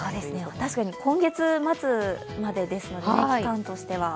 確かに今月末までですので期間としては。